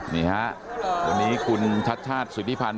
นี่ฮะวันนี้คุณชัดชาติสิทธิพันธ์